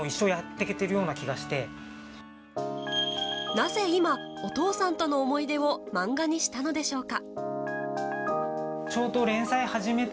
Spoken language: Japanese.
なぜ今お父さんとの思い出を漫画にしたのでしょうか。